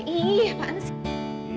iya apaan sih